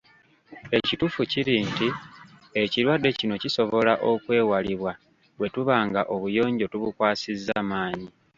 Ekituufu kiri nti ekirwadde kino kisobola okwewalibwa bwe tuba nga obuyonjo tubukwasizza maanyi